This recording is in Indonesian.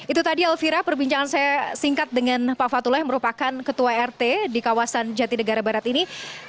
itu tadi elvira perbincangan saya singkat dengan pak fatullah yang merupakan ketua rt di kawasan jati negara barat ini